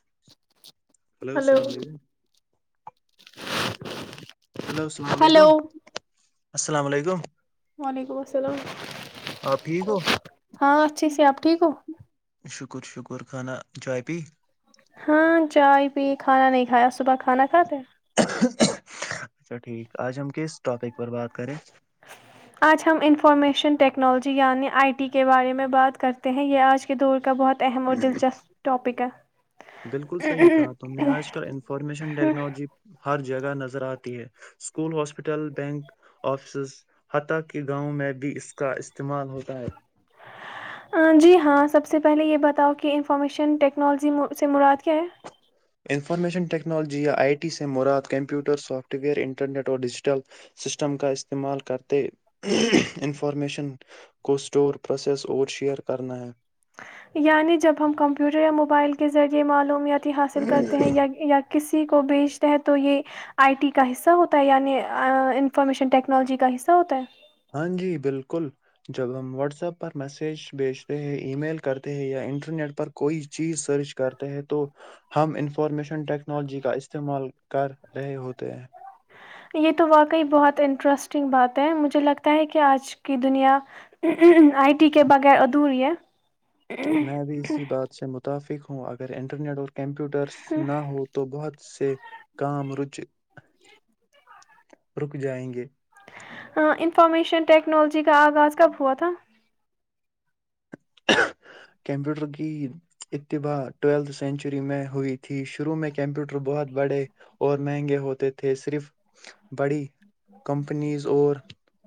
[inaudible] hello السلام علیکم hello السلام ہلو علیکم [unintelligible] السلام علیکم [unintelligible] وعلیکم السلام آپ ٹھیک ہو ہاں اچھی سے آپ ٹھیک ہو [unintelligible] شکر شکر خانا جای [unintelligible] ہاں چائے پی کھانا نہیں کھایا صبح کھانا کھاتے اچھا ٹھیک آج ہم کس ٹاپک پر بات کریں [unintelligible] آج ہم انفارمیشن ٹیکنالوجی یعنی آئی ٹی کے بارے میں بات کرتے ہیں یہ آج کے دور کا بہت اہم اور دلچسپ ٹپ [unintelligible] اپیکا [unintelligible] بالکل صحیح کہا تم نے آج کل انفارمیشن ٹیکنالوجی [unintelligible] جی ہاں سب سے پہلے یہ بتاؤ کہ انفارمیشن ٹیکنالوجی سے مراد کیا ہے انفارمیشن ٹیکنالوجی یا آئی ٹی سے مراد کمپیٹر سافٹ وئر ان [unintelligible] انٹرنیٹ اور ڈیجیٹل سسٹم کا استعمال کرتے انفارمیشن کو اسٹور پروسیس اور شیئر کرنا ہے یعنی جب ہم کمپیوٹر یا موبائل کے ذریعے معلومیات حاصل کرتے ہیں [unintelligible] کسی کو بھیجتا ہے تو یہ آئی ٹی کا حصہ ہوتا ہے یعنی انفارمیشن ٹیکنالوجی کا حصہ ہوتا ہے ہاں جی بالکل جب ہم واٹس ایپ پر میسج بیجتے ہیں ای میل کرتے ہیں یا انٹرنیٹ پر کوئی چیز سرچ کرتے ہیں تو ہم انفارمیشن ٹیکنالوجی کا استعمال کر رہے ہوتے ہیں یہ تو واقعی بہت انٹرسٹنگ بات ہے مجھے لگتا ہے کہ آج کی دنیا آئی ٹی کے بغیر ادھوری ہے میں بھی اسی بات سے متفق ہوں اگر انٹرنیٹ اور [unintelligible] کمپیوٹرس نہ ہو تو بہت [unintelligible] سے کام ر رک جائیں گے انفارمیشن ٹیکنالوجی کا آغاز کب ہوا تھا کمپیوٹر کی اتباع ٹویلتھ سینچری میں ہوئی تھی شروع میں کمپیوٹر بہت بڑے اور مہنگے ہوتے تھے صرف بڑی کمپنیز اور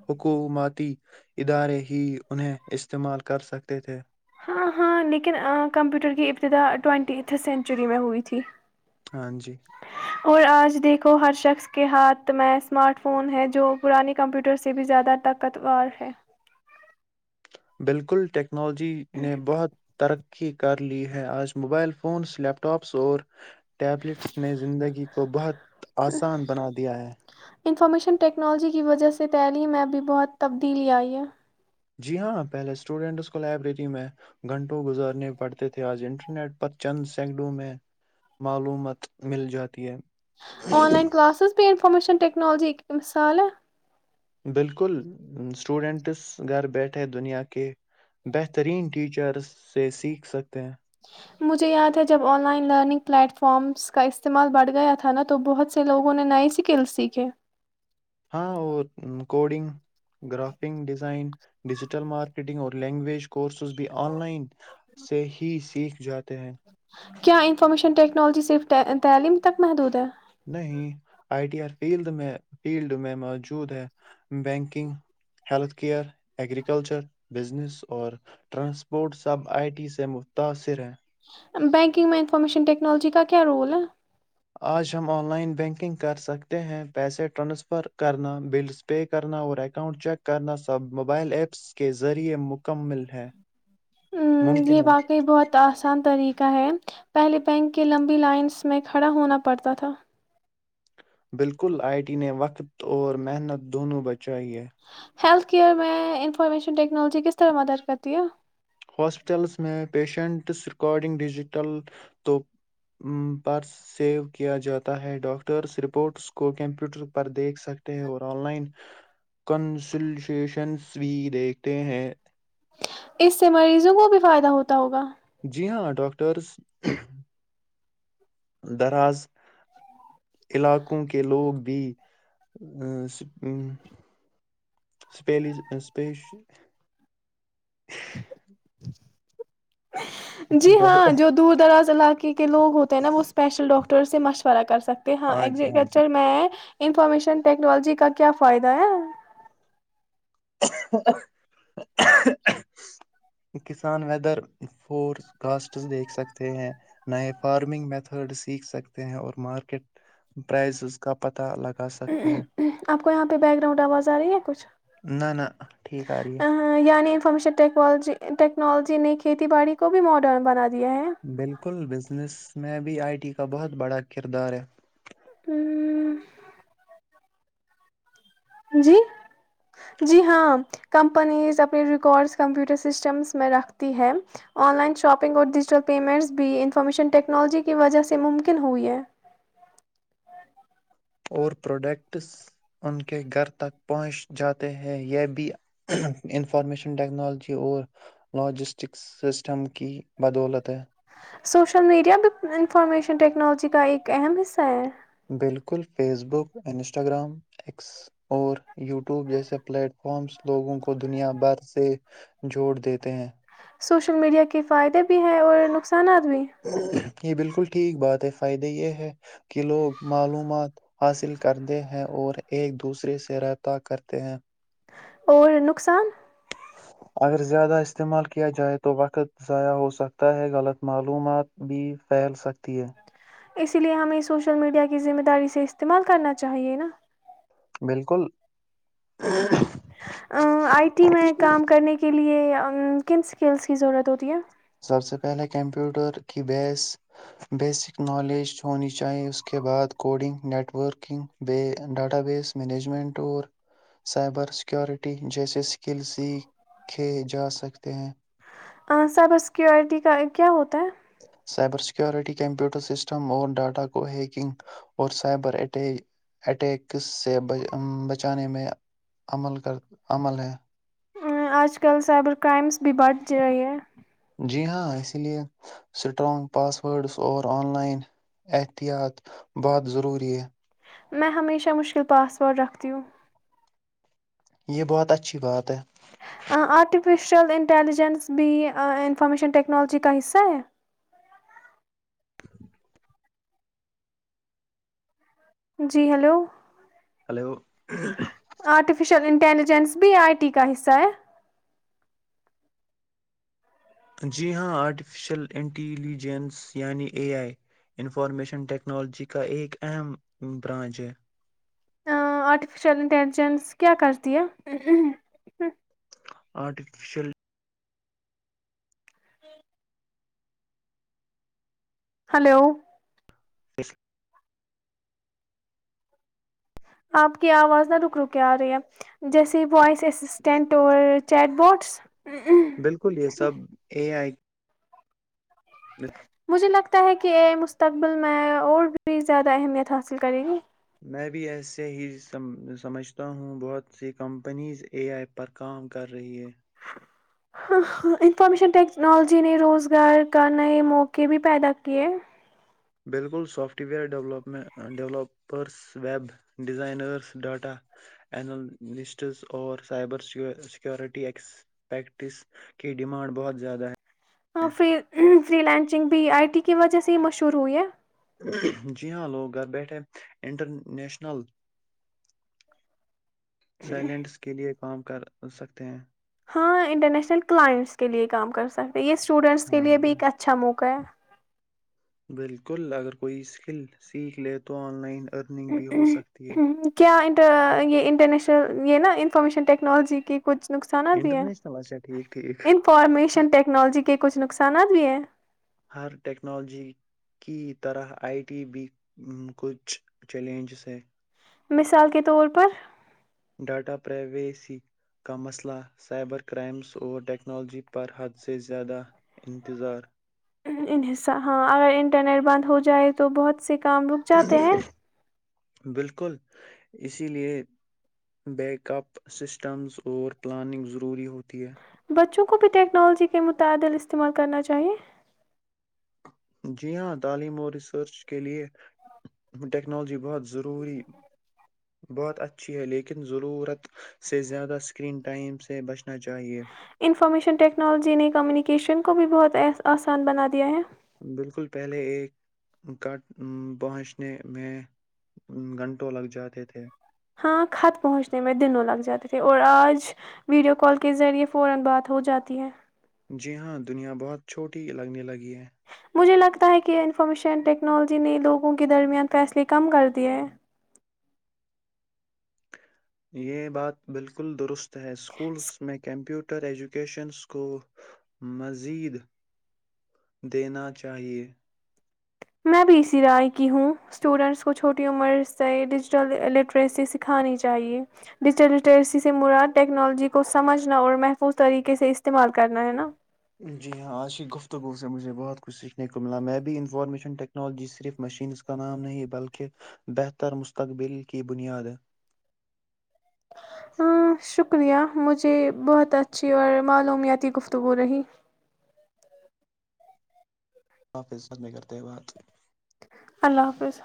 حکومتیی ادارے ہی انہیں استعمال کر سکتے تے تھے ہاں ہاں لیکن کمپیوٹر کی ابتدا ٹوینٹی سنچری میں ہوئی تھی ہاں جی اور آج دیکھو ہر شخص کے ہاتھ میں اسمارٹ فون ہے جو پرانے کمپیوٹر سے بھی زیادہ طاقتور ہے بالکل ٹ ٹیکنالوجی نے بہت ترقی کر لی ہے آج موبائل فونس لیپ ٹاپس اور ٹیبلیٹس نے زندگی کو بہت آسان بنا دیا ہے انفارمیشن ٹیکنالوجی کی وجہ سے تعلیم میں ابھی بہت تبدیلی آئی ہے جی ہاں پہلے اسٹوڈینٹس کو لائبریری میں گھنٹوں گزارنے پڑتے تھے آج انٹرنیٹ پر چند سیکڈوں میں معلومات مل جاتی ہے آن لائن کلاسز پ انفارمیشن ٹیکنالوجی ا مثالیں بالکل اسٹوڈنٹس گھر بیٹھے دنیا کے بہترین ٹیچرس سے سیکھ سکتے ہیں مجھے یاد ہے جب online learning platforms کا استعمال بڑھ گیا تھا نا تو بہت سے لوگوں نے نئے سکلز سیکھے ہاں اور coding graphing design digital marketing اور لینگویج کو کورسز بھی آن لائن سے ہی سیکھ جاتے ہیں کیا انفارمیشن ٹیکنالوجی صرف تعلیم تک محدود ہے نہیں آئی ٹی ہر فیلڈ میں فیلڈ میں موجود ہے banking health care agriculture business اور ٹرانسپورٹ سب آئی ٹی سے متاثر ہیں بینکنگ میں انفارمیشن ٹیکنالوجی کا کیا رول ہے آج ہم آن لائن بینکنگ کر سکتے ہیں پیسے ٹرانسفر کرنا بلز پے کرنا اور اکاؤنٹ چیک کرنا سب موبائل ایپس کے ذریعے م ہ ممکن یہ ہے باقی بہت آسان طریقے ہے پہلے بینک کے لمبی لائنس میں کھڑا ہونا پڑتا تھا بالکل آئی ٹی نے وقت اور محنت دونوں بچائیے ہیلتھ کیئر میں انفارمیشن ٹیکنالوجی کس طرح مدد کرتی ہے ہاسپٹلز میں پیشنٹس ریکارڈنگ ڈیجیٹل تو پر سیو کیا جاتا ہے ڈاکٹرز رپورٹس کو کمپیوٹر پر دیکھ سکتے ہیں اور آن لائن کنسلٹیشنز بھی دیکھتے ہیں اس سے مریضوں کو بھی فائدہ ہوتا ہوگا جی ہاں ڈاکٹرس دراز علاقوں کے لوگ بھیپیش [inaudible] جی ڈاک- ہاں جو دور دراز علاقے کے لوگ ہوتے ہیں نا وہ اسپیشل ڈاکٹر ٹ سے مشورہ کر سکتے ہاں ایگری کلچر میں انفارمیشن ٹیکنالوجی کا کیا فائدہ ہے [unintelligible] کسان ویدر فور کاسٹ دیکھ سکتے ہیں نئے فارمنگ میتھڈ سیکھ سکتے ہیں اور مارکیٹ پرائزز کا پتا لگا سکتے ہیں آپ کو یہاں پہ بیک گراؤنڈ آواز آ رہی ہے کچھ نہ نہ ٹھیک آ رہی ہے ہمیشہ ٹیکنالوجی ٹیکنالوجی نے کھیتی باڑی کو بھی ماڈرن بنا دیا ہے بالکل بزنس میں [unintelligible] ابھی آئی ٹی کا بہت بڑا کردار ہے ہوں [unintelligible] جی جی ہاں کمپنیز اپنے ریکارڈس کمپیوٹر سسٹمس میں رکھتی ہے آن لائن شاپنگ اور ڈیجیٹل پیمنٹس بھی انفارمیشن ٹیکنالوجی کی وجہ سے ممکن ہوئی ہے اور پروڈکٹس ان کے گھر تک پہنچ جاتے ہیں یہ بھی انفارمیشن ٹیکنالوجی اور لاجسٹکس سسٹم کی بدولت ہے سوشل میڈیا بھی انفارمیشن ٹیکنالوجی کا ایک اہم حصہ ہے بالکل فیس بک انسٹاگرام ایکس اور یوٹیوب جیسے پلیٹ فارمس لوگوں کو دنیا بھر سے جوڑ دیتے ہیں سوشل میڈیا کے فائدے بھی ہیں اور نقصانات بھی جی بالکل [unintelligible] ٹھیک بات ہے فائدے یہ ہے کہ لوگ معلومات حاصل کرتے ہیں اور ایک دوسرے سے رابطہ کرتے ہیں اور نقصان اگر زیادہ استعمال کیا جائے تو وقت ضائع ہو سکتا ہے غلط معلومات بھی پھیل سک تی ہے [unintelligible] اسی لیے ہمیں سوشل میڈیا کی ذمہ داری سے استعمال کرنا چاہیے نا بالکل [unintelligible] آئی ٹی میں کام کرنے کے لیے کم سکلس کی ضورت اتی یہ [inaudible] ہ سبس [unintelligible] سکیورٹی کا کیا ہوتا ہے [unintelligible] سائبر سیکورٹی کمپیوٹر سسٹم اور ڈاٹا کو ہیکنگ اور سائبرٹ اٹیکس سے بچانے میں عمل کر عمل ہے آج کل سائبر کرائمس بھی بڑھ ج رہی ہے [unintelligible] جی ہاں اسی لیے اسٹرانگ پاس ورڈس اور آن لائن احتیاط بہت ضروری ہے میں ہمیشہ مشکل پاس ورڈ رکھتی ہوں یہ بہت اچھی بات ہے ارٹیفیشل انٹیلیجنس بھی انفارمیشن ٹیکنالوجی کا حصہ ہے جی ہیلو ہلو آرٹیفیشیل انٹیلیجنس بھی آئی ٹی کا حصہ ہے جی ہاں آرٹیفیشیل انٹیلیجنس یعنی اے آئی انفارمیشن ٹیکنالوجی کا ایک اہم برانچ ہے آرٹیفیشیل انٹیلیجنس کیا کرتی ہے آرٹیفشل [inaudible] ہلو اسس [unintelligible] آپ کی آواز نہ رک رک آ رہی ہے جیسے وائس اسسٹینٹ اور چیٹ بورڈس بالکل یہ سب یہ ہے میں [unintelligible] مجھے لگتا ہے کہ مستقبل میں اور بھی زیادہ اہمیت حاصل کریں گی میں بھی ایسے ہی سم سمجھتا ہوں بہت سی کمپنیز اے آئی پر کام کر رہی ہے انفارمیشن ٹیکنالوجی نے روزگار کا نئے موقع بھی پیدا کیے بالکل software developers web designers data analysts اور سائبر سیکیورٹی ایکسپیکٹس کی ڈیمانڈ بہت زیادہ ہیں ہاں فری فری لینسنگ بھی آئی ٹی کی وجہ سے ہی مشہور ہوئی ہے جی ہاں لوگ گھر بیٹھے انٹرنیشنل سائلنٹس کے لئے کام کر سکتے ہیں [unintelligible] انٹرنیشنل کلائنٹس کے لیے کام کر سک یہ اسٹوڈینٹس کے ہاں لیے بھی جی ایک اچھا موقع ہے بالکل اگر کوئی اسکل سیکھ لے تو آن لائن ہ ارننگ بھی ہو سکتی ہے ہ کیاٹر یہ انٹرنیشنل یہ نا انفارمیشن ٹیکنالوجی کیچھ نقصانات بھی ہیں انٹرنیشنل اچھا ٹھیک ٹھیک انفارمیشن ٹیکنالوجی کے کچھ نقصانات بھی ہیں ہر ٹیکنالوجی کی طرح آئی ٹی بھی کچھ چیلنجز ہے مثال کے طور پر ڈاٹا پرائیویسی کا مسئلہ سائبر کرائمز اور ٹیکنالوجی پر حد سے زیادہ انتظار ان حصہ ہاں اگر انٹرنیٹ بند ہو جائے تو بہت سے کامرک جاتے ہیں بالکل اسی لیے بیک اپ سسٹمز اور پلاننگ ضروری ہوتی ہے بچوں کو [unintelligible] کو بھی ٹیکنالوجی کے متعدل استعمال کرنا چاہیے جی ہاں تعلیم اور ریسرچ کے لیے ٹیکنالوجی بہت ضروری بہت اچھی ہے لیکن ضرورت سے زیادہ اسکرین ٹائم سے بچنا چاہیے انفارمیشن ٹیکنالوجی نے کمیونیکیشن کو بھی بہت س آس آسان بناات دیا ہیں بالکل پہلے ایک کٹ پہنچنے میں گھنٹوں لگ جاتے تھے [unintelligible] جی ہاں دنیا بہت چھوٹی لگنے لگی ہے مجھے لگتا ہے کہ انفارمیشن ٹیکنالوجی نے لوگوں کے درمیان فیصلے کم کر دیے ہیں یہ بات بالکل درست تو اسکولس میں کمپوٹر ہٹر ایجوکیشنس کو مزید دینا چاہیے میں بھی اسی رائے کی ہوں اسٹوڈینٹس کو چھوٹی عمر سے ڈیجیٹل لٹریسی سکھانی چاہیے ڈیجیٹل لٹریسی سے مراد ٹیکنالوجی کو سمجھنا اور محفوظ طریقے سے استعمال کرنا ہے نا جی ہاں آج کیی گفتگو سے مجھے بہت کچھ سیکھنے کو ملا میں بھی انفارمیشن ٹیکنالوجی صرف مشینز کا نام نہیں بلکہ بہتر مستقبل کی بنیاد ہے ہاں شکریہ مجھے بہت اچھی اور معلومیاتی گفتگو رہی خاف عزت میں کرتے بعد اللہ حافظ